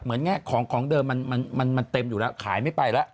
แง่ของเดิมมันเต็มอยู่แล้วขายไม่ไปแล้ว